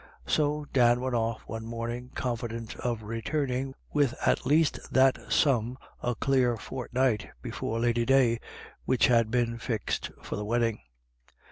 So Dan went off one morning, confident of returning with at least that sum a clear fortnight before Lady Day, which had been fixed for the wedding.